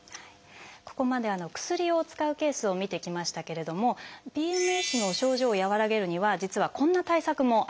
ここまで薬を使うケースを見てきましたけれどもＰＭＳの症状を和らげるには実はこんな対策もあるんです。